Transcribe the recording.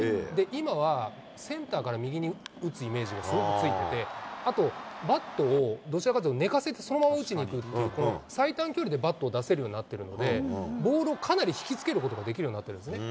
今は、センターから右に打つイメージがすごくついてて、あと、バットをどちらかというと、寝かせてそのまま打ちにいくっていう、この最短距離でバットを出せるようになっているので、ボールをかなり引きつけることができるようになってるんですね。